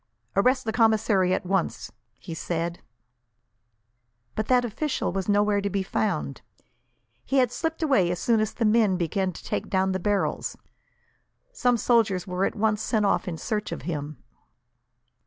"Arrest the commissary, at once," he said. But that official was nowhere to be found. He had slipped away, as soon as the men began to take down the barrels. Some soldiers were at once sent off in search of him.